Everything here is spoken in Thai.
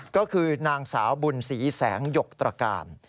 ก็คือนางสาวบุญศรีแสงหยกตรการ